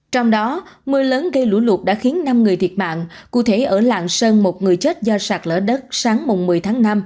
trong đó mưa lớn gây lũ lụt đã khiến năm người thiệt mạng cụ thể ở lạng sơn một người chết do sạt lở đất sáng một mươi tháng năm